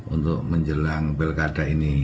untuk menjelang pilkada ini